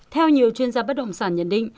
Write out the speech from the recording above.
theo nhiều chuyên gia bất động sản nhận định